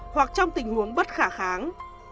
hoặc trong tình huống bất khả kháng